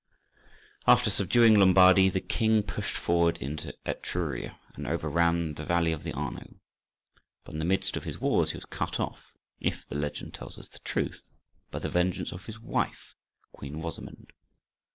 After subduing Lombardy the king pushed forward into Etruria, and overran the valley of the Arno. But in the midst of his wars he was cut off, if the legend tells us the truth, by the vengeance of his wife Queen Rosamund.